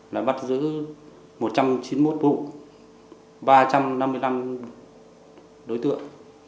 là bắt giữ một trăm chín mươi một vụ ba trăm năm mươi năm đối tượng